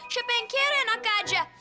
siapa yang kira enak aja